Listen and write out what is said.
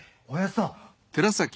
おやじさん！